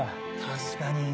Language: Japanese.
確かに。